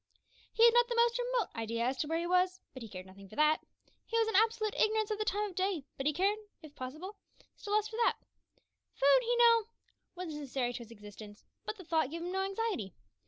He had not the most remote idea as to where he was, but he cared nothing for that. He was in absolute ignorance of the time of day, but he cared, if possible, still less for that. Food, he knew, was necessary to his existence, but the thought gave him no anxiety.